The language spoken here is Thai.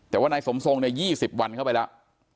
แต่ว่านายสมทรงเนี่ย๒๐วันเข้าไปแล้ว